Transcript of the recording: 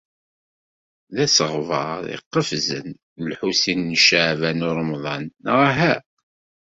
D asegbar iqefzen, Lḥusin n Caɛban u Ṛemḍan: neɣ aha?